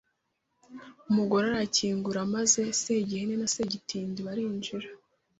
Umugore arakingura maze Segihene na Segitindi barinjira